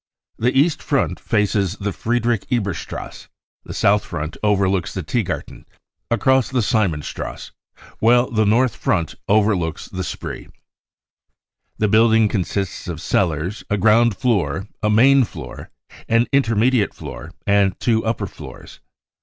The east front faces th« Friedrich Ebertstrasse, the south front overlooks the Tiergarten, across the Simsonstrasse, while the north front overlooks the Spree, The building consists of cellars, a ground floor, a main floor, an intermediate floor and two upper floors.